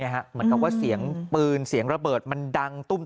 เหมือนกับเสียงปืนเสียงระเบิดมันดังตุ้มตามตุ้มตามกัน